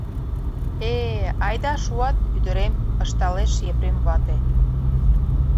— Э-э, айда шуат, ӱдырем, — ышталеш Епрем вате.